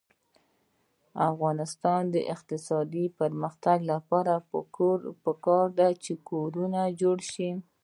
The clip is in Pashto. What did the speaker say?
د افغانستان د اقتصادي پرمختګ لپاره پکار ده چې کورونه جوړ شي.